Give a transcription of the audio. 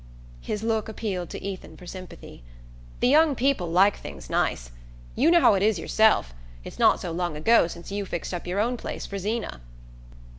His look appealed to Ethan for sympathy. "The young people like things nice. You know how it is yourself: it's not so long ago since you fixed up your own place for Zeena."